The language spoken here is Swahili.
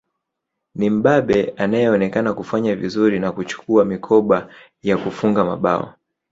Ni Mbabe anayeonekana kufanya vizuri na kuchukua mikoba ya kufunga mabao